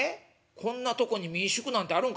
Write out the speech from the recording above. こんなとこに民宿なんてあるんか？